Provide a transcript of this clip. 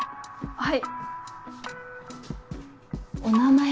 はい。